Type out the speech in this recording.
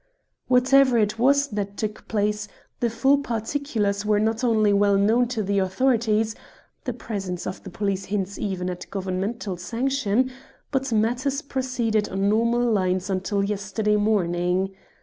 "Whatever it was that took place, the full particulars were not only well known to the authorities the presence of the police hints even at Governmental sanction but matters proceeded on normal lines until yesterday morning.